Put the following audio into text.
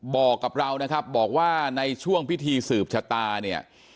บอกกับเรานะครับบอกว่าในช่วงพิธีสืบชะตาเนี่ย